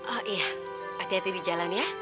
oh iya hati hati di jalan ya